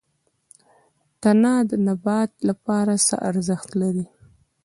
تنه د نبات لپاره څه ارزښت لري؟